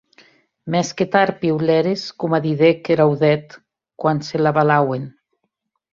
Mès que tard piulères, coma didec er audèth quan se l’avalauen.